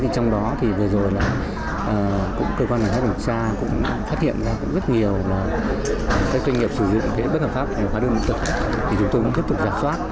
trong đó thì vừa rồi là cơ quan ngoại giao đồng tra cũng đã phát hiện ra rất nhiều doanh nghiệp sử dụng thế bất hợp pháp hóa đơn thực tập thì chúng tôi cũng tiếp tục giả soát